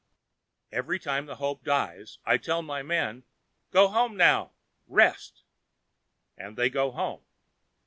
Each time the hope dies, I tell my men: "Go home, now. Rest." And they go home.